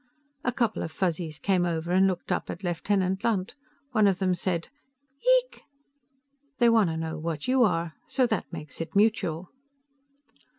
A couple of Fuzzies came over and looked up at Lieutenant Lunt; one of them said, "Yeek?" "They want to know what you are, so that makes it mutual."